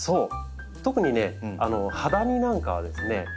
特にねハダニなんかはですね